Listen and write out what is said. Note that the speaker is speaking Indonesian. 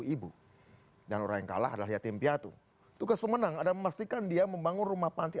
ibu dan orang yang kalah adalah yatim piatu tugas pemenang adalah memastikan dia membangun rumah panti